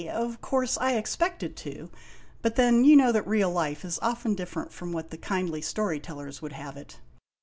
Of course I expected to; but then, you know that real life is often different from what the kindly story tellers would have it.